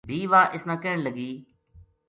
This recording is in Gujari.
بھی واہ اس نا کہن لگی